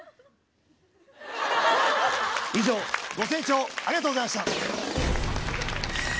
以上ご清聴ありがとうございました。